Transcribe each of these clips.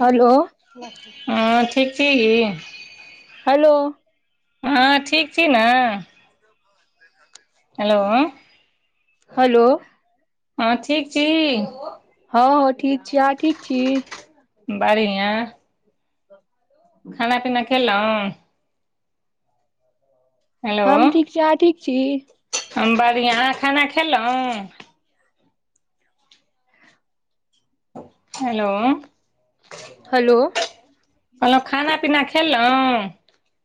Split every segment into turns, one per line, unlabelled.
Hello
हँ ठीक छीही
हेलो
आहँ ठीक छी न? हेलो
हेलो
हँ ठीक छी?
हँ हँ ठीक छी। अहाँ ठीक छी?
बढ़ियाँ खाना-पीना खेलौं हेलो
हम ठीक छी। अहाँ ठीक छी?
हम बढ़िआँ। खाना खेलौं हेलो
हेलो
कहलौं खाना-पीना खेलौं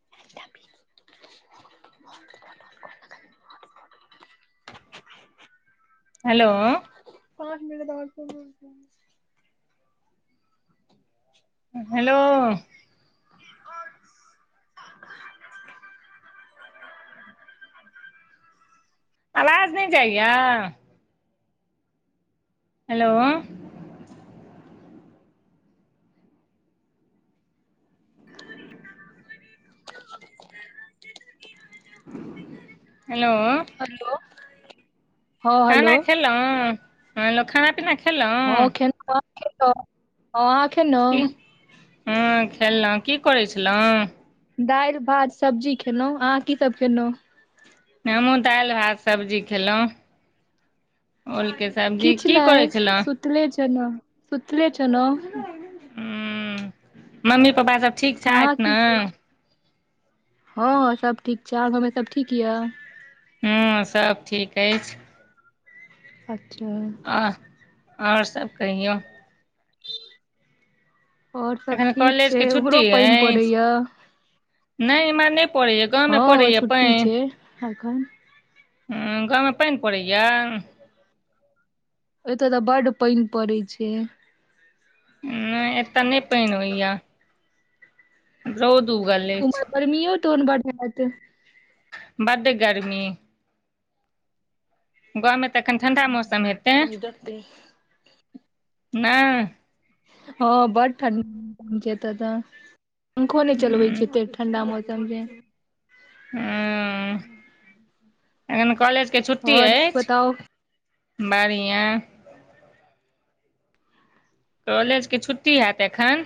छी [unintelligible] ब धन्यवाद [unintelligible]
हेलो
पाँच मिनट आ [unintelligible]
हेलो आवाज नै जाइया हेलो हेलो
हलो, हँ हलो
लौं ह एलौं खाना-पीना खेलौं
हँ ह खे
की
[unintelligible]
हँ खेलौं की करै छलौं
दालि भात सब्जी खेनौं अहाँ की सब खेनौं
हमु दालि भात सब्जी खेलौं ओलके सब्जी
किछ
की करै
नहि
छलौं
सुतले छनो, सुनो
हूँ
[unintelligible]
मम्मी पापा सब ठीक
अहाँ
छथि
की
ने
करय छी हं हं सब ठीक छै आहां घरमे सब ठीक या
हं सब ठीक अछि
अच्छा
आर आओर सब कहिऔ
और सब
अखने
ठीक
कॉलेज के
छै
छुट्टी
उम्हरो पानि
अछि
पड़ैया
नै इम्हर नै परैया गांमे परैया पानि
हेखन
हुं गाँमे पानि परैया
एत त बड्ड पानि परै छै
अ एत नै पानि होइया रौद उगल अछि
गर्मीओ तोहन बढियां हेतय
बड्ड गरमी गाँमे त एखन ठण्डा मौसम हेतै नै
हँ बड़ ठंढी [unintelligible] एत त पंखो नै चलबैत
हूँ
छै एते ठण्डा मौसम छै जे
हूँ उं एखन कॉलेजके छुट्टी
आओर
अछि
बताउ
बढ़ियाँ कॉलेज के छुट्टी हैत एखन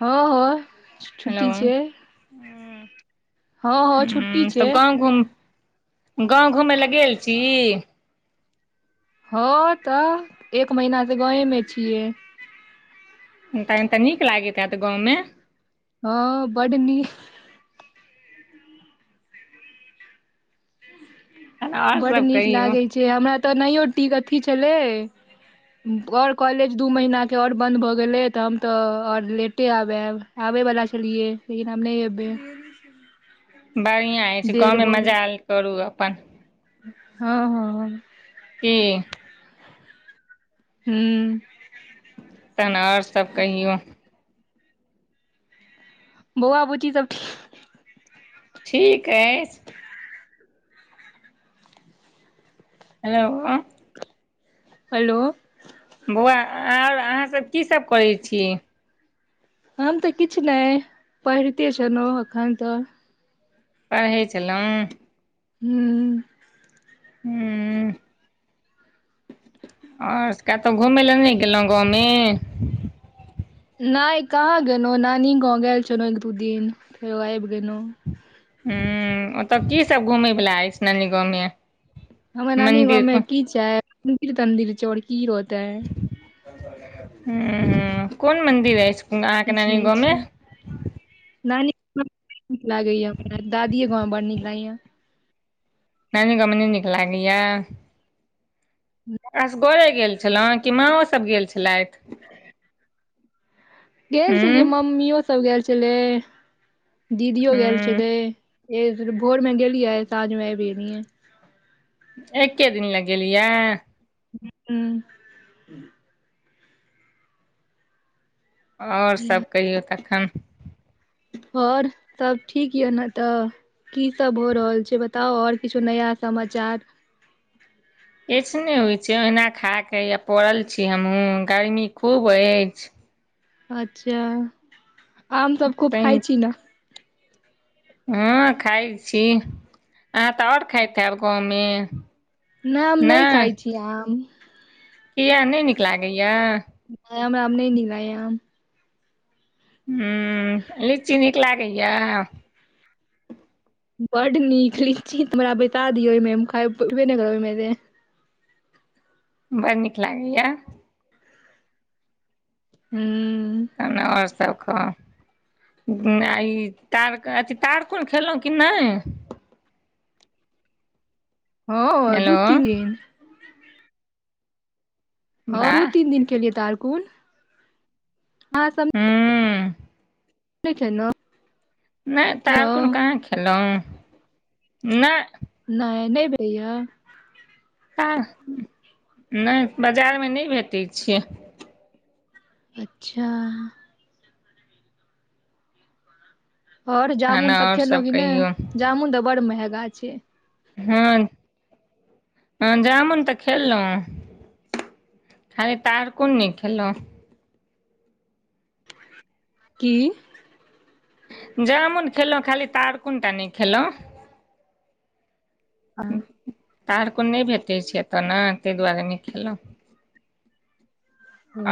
हाँ हँ छुट्टी
हेलो
छै हँ हँ छुट्टी
हूँ त
छै
गाँव घूम गाँव घुमै ले गेल छी
हाँ त एक महीना सं गाँवमे छियै
हुनका लंग त नीक लागैत हैत गाँवमे
हाँ बड्ड नीक
तहन आओर
बड्ड
सभ
नीक
कहियौ
लागै छै हमरा त ओनाहियो टीक अथी छलै आओर कॉलेज दू महीनाके आओर बन्द भ गेलै त हम त आओर लेटे आब आएब आबै बला छलियै लेकिन हम नै एबै
बढ़ियां अछि
डेढ़
गाँमे मजाल करू अपन
हाँ हाँ
की
हूँ
तहन आओर सब कहियौ
बौआ बुच्ची सब ठीक
ठीक ऐ हेलो
हेलो
बौआ आर अहाँसभ की सभ करै छी
हम तऽ किछु नहि पढिते छलहूँ एखन तऽ।
परढ़ै छलहुँ।
हूँ
हूँ उँ आओर कतहु घूमय लए नहि गेलहुँ गाँवमे
नै कहाँ गेलहुँ नानी गाँव गेल छलहुँ एक दू दिन फेरो आबि गेलहुँ
हूँ ओत की सब घूमय वला अछि नानी गाँव मे
हमर नानी गाँवमे की छै मन्दिर तंन्दिर छै आओर की रहतेै।
हूँ-उँ कोन मन्दिर अछि। अहाँके
किछ
नानी
नहि
गाँवमे
छै नानी। नीक लागैया हमरा दादीे ये गाँव बड़ नीक लागैया
नानी गाममें नै नीक लागैया। असगरे गेल छलहुँ कि माँओ सब गेल छलथि
[unintelligible] गेल
हूँ
छलिये मम्मियों सब गेल छलेइ दीदियों गेल।
हूँ
छले भोरमे गेलिये साझमे आइबे गेलिए।
एके दिन ला गेलिये
हूँ
आओर सभ कहियौ तखन
आओर सब ठीक यऽ ने तऽ की सब भ रहल छै बताउ आओर किछु नया समाचार।
एखने होइ छै ओहिना खा के या पड़ल छी हमहुँ गर्मी खूब अछि।
अच्छा आम सब खूब खाइ
पानि
छी ने।
हँ खाइ छी अहाँ तऽ ओर खाएत हैब गाँव में
ना हम नय खाइ छी आम
किया नय नीक लागैए
हमरा नई निक लगेया आम
ह लीची नीक लागैया
बड नीक लीची त हमरा बैठा दियौमैे उठबे नय कर उ मे
बड़ नीक लागैया
हूँ
तहन ओर सब कह ई तार कऽ अथी तारकोन खेलहुँ कि नय
हँ
हेलो
दू तीन दिन हँ दू
वाह
तीन दिन खेलियै तारकुन ह सम
हँ
नई खेनाउ
नय तारकुन कहाँ खेलो नय
नय नय भैलईया
नय बजार में नय भेटै छियै
अच्छा ओर
तहन
जामुन सब
आओर
खेलो की नय
कहियौ
जामुन तऽ बड़ड महगा छै
हँ हँ जामुन तऽ खेलो खाली तऽ तारकुन नय खेलोउ
की
जामुन खेलहुँ खाली तारकुन टा नय खेलो
आर
तारकुन नय भेटैत छै एतऽ न ताहि दुआरे नय खेलो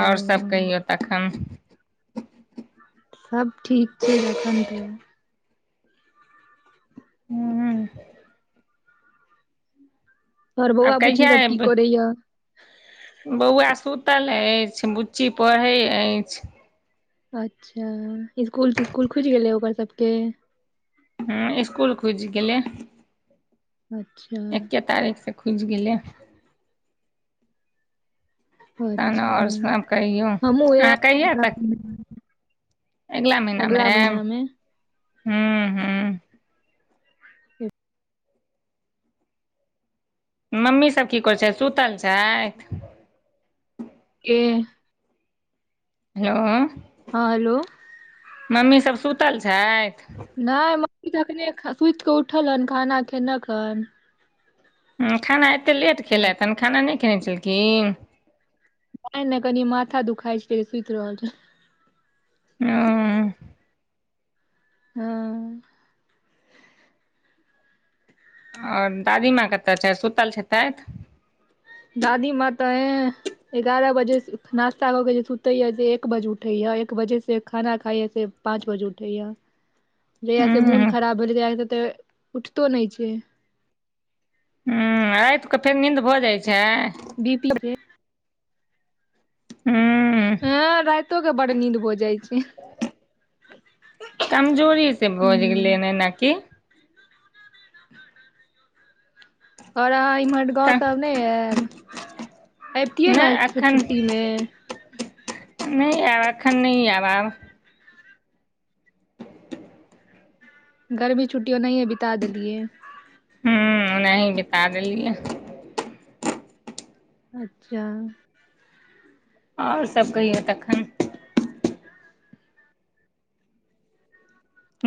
ओर सब कहियौ तखन
सब ठीक छै देखन तऽ
हूँ
तोहर
आब
बौआ बुची
कहिया
सब की
एबै
करे या
बौआ सुतल ऐछ बुच्ची पढ़ै ऐछ
अच्छा इसकुल तिस्कुल खुज गेलै ओकर सबके
ह इसकुल खुज गेलई
अच्छा
एके तारीख से खुज गेलई तन
अच्छा
ओर सब कहियौ
हमहुँ उएह
अहाँ कहिया तक अगला महिना में आएब
महिना मे
हूहू मम्मी सब की करै छै सुतल छैथ
ऐह
हेलो
हँ हेलो
मम्मी सभ सुतल छैथ
नय मम्मी एखने सुत कऽ उठल हन खाना खेेलक हन
हँ खाना एतेक लेट
आ
खेलैथ हन खाना नइ खेने छलखिन
नय नै कनि माथा दुखाय छै त सुत रहल छै
ह [unintelligible]
हँ
ओर दादी माँ कतय छै सुतल हैतेथ
दादी मां तऽ यैह एगारह बजे नास्ता कऽ के जे सुते या से एक बजे उठे या एक बजे से खाना खाइ ह से पाँच बजे उठैया
[inaudible]
जहियास से
हूँ
मोन खराब भेलै जहिय से तऽ उठतो नय छै
ह रात कऽ फेर नींन्द भऽ जाइ छै
बी पी जे
हूँ
ऐंह रातो के बड़ नींद भौ जाइ छै
कमजोरी से भऽ गेलै
हूँ
एना की
[inaudible] ओर अहाँ एम्हर गाँव सब नय आएब अबतियै ने छुट्टी में
नय आयब एखन नय आयब
गर्मी छु्टियो ओनाहिये बिता देलियै
हूँ ओनाही बित देलियै
अच्छा
ओर सभ कहियौ तखन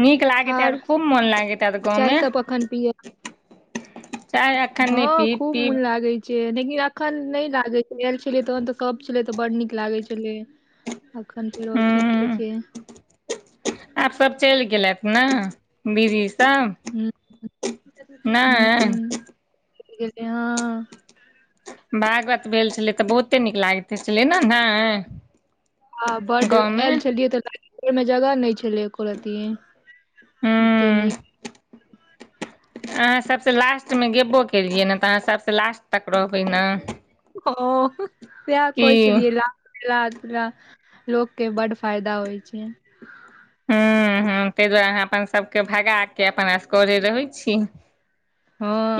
नीक लागत हैत
आओर
खूब मोन लागैत गाँव
चाय
में
सब कखन पियब हँ
पीब
खूब मन
पीब
लागै छै जे लेकिन एखन नय लागै छै आयल छलियै तखन तऽ सब छलै तऽ बड् नीक लागै छलै अखन फेरो ठीके
हूँ
छै
आब सब चैल गेलैथ ने बीजी सब
ह
नायह
गेल हँ
भागवत भेल छलै तऽ बहुते नीक लागैत छलै ने नाय
ह बड आयल छलियै तऽमे जगह नय छलै एको रति एते
हूँ
नीक
[inaudible] अहाँ सबसे लास्ट में गेबो केलियै ने तऽ अहाँ सबसे लास्ट तक रहबै ने
हँ सेहा
की
कहै
हूं हूं
छलियै ला [unintelligible] लोक के बड फायदा होइ छै
हूँ हूँ ताहि दुआरे अहाँ अपन सभके भगा के अपन आसगरे रहै छी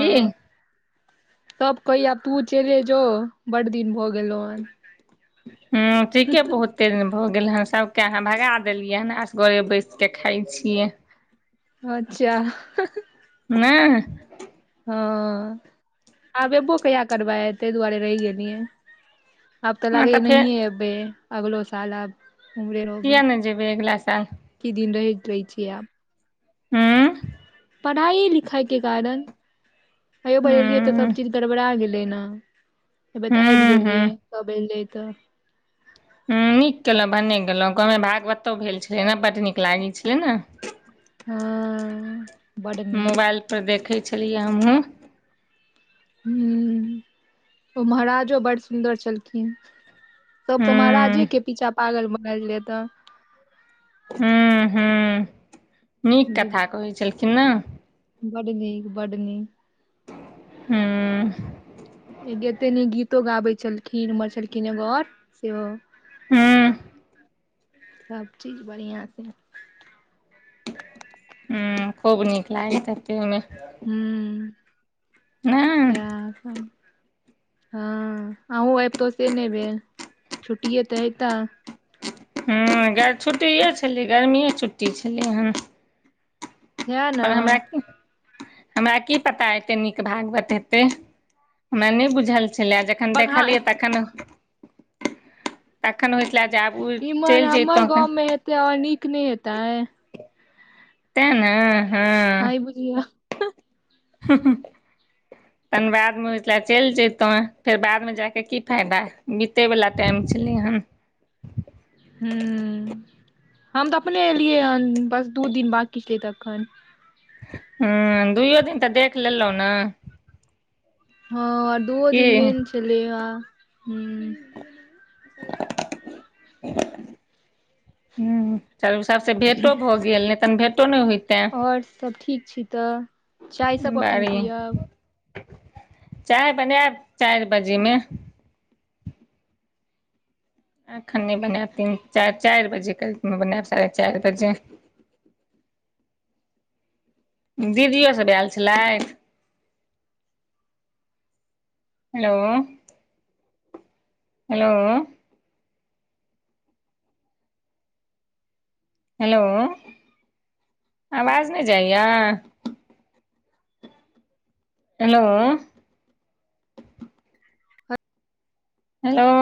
की
त कहैय आब तू चले जो बड दिन भऽ गेलौ हन
हऽ ठीके बहुत कते दिन भऽ गेल हँ सभके अहाँ भगा देलियै हन आसगरे बैसिके खाइ छियै
अच्छा
नैय
हँ आब एबो कहिया करबै ताहि दुआरे रहि गेलियै अब तऽ
हँ
लगै य
फेर
नहएै अभे अगलो साल अब उम्हरे रहबे
किया नहि जेबै अगिला साल
की दिन रहैत रहै छै आब
हूँ
पढ़ाइ लिखाइ के कारण आयौ बजेलियै तऽ
हूं
तब चीज गड़बड़ा गेलै ने। तबे तऽ आबि
हूं हूं
गेलियै सब एलै तऽ।
हूँ नीक केलहुँ भने गेलहुँ गाँवमे भागवतो भेल छलै ने बड नीक लागै छलै नऽ।
हँ बड। नीक
मोबाइलपर देखै छलियै हमहूँ।
हूँ ओ महाराजो बड़ सुन्दर छलखिन। सब तऽ महाराजे
हूं
के पीछा पागल बनलयऽ एतऽ।
हूँ हूँ नीक कथा कहै छलखिन नऽ।
बड नीक बड नीक।
हूँ।
कते नीक गीतो गाबैत छलखिन उम्हर छलखिन एगो आओर सेहो।
हूँ
सब चीज बढ़िआं से
हूँ खूब नीक लागैत हेतै ओयमे।
हूँ
नहि
सेहा सब हँ अहूँ अबितहु से नहि भेल छुट्टिे तऽ हयतऽ।
हँ छुट्टिए छेलै गर्मिए छुट्टी छेलै हन।
सएह ने
पर हमरा। हमरा की पता एते नीक भागवत हेतै हमरा नहि बुझल छेला जे। जखन
बगहा
देखलियै तखन। तखन होइ छेला जे आबू चलि जैतहु।
अओर नीक नहि हेतै।
तें नऽ हँ।
[unintelligible]
हू हू। तहन बादमे होइ छला चलि जैतहुँ फेर बादमे जाके की फायदा बीतैवला टाइम छलै हन।
हूँ हम तऽ अपने एलियै हन बस दू दिन बाकी छेलै तखन।
हँ दुइो दिन तऽ देख लेलहु नऽ।
हँ दूओ दिन
की
मेन छलै या। हू
हूँ। तऽ ओय हिसाबे भेंटो भऽ गेल नहि तन भेटो नहि होयतऽ
आओर सब ठीक छी तऽ चाय सब कखन पियब।
चाय बनएब चारि बाजेमे। एखन नै बनायब तीन चारि चारि बजे करीब मे बनायब साढ़े चारि बजे। दीदियो सब आयल छलैथ। Hello hello. हेलो आवाज नहि जाइया। Hello hello